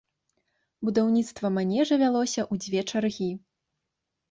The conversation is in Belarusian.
Будаўніцтва манежа вялося ў дзве чаргі.